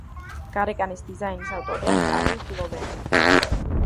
გარეკანის დიზაინის ავტორია კარლ გლოვერი.